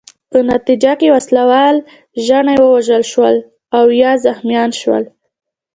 په نتیجه کې وسله وال ژڼي ووژل شول او یا زخمیان شول.